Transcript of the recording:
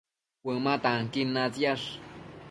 Cuëma tanquin natsiash